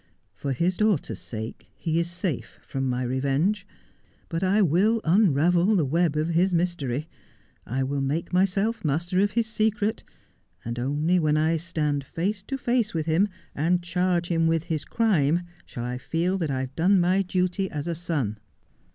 For his daughter's sake he is safe from my revenge ; but I will unravel the web of his mystery ; I will make myself master of his secret ; and only when I stand face to face with him, and charge him with his crime, shall I feel that I have done my duty as a son.'